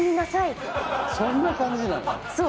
そんな感じなの？